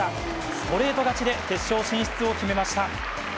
ストレート勝ちで決勝進出を決めました。